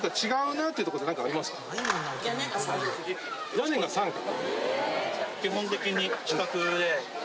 屋根が三角？